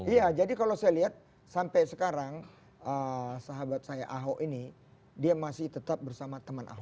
iya jadi kalau saya lihat sampai sekarang sahabat saya ahok ini dia masih tetap bersama teman ahok